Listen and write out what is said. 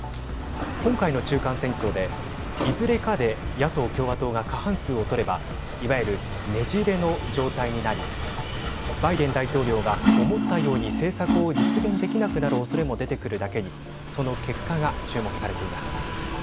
今回の中間選挙でいずれかで野党・共和党が過半数を取ればいわゆる、ねじれの状態になりバイデン大統領が思ったように政策を実現できなくなるおそれも出てくるだけにその結果が注目されています。